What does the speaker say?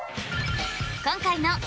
今回の。